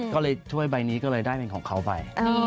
ก็เลย่อยใบนี้ก็เลยได้มีของเขาไป